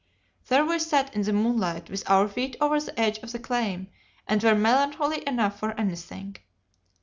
There we sat in the moonlight with our feet over the edge of the claim, and were melancholy enough for anything.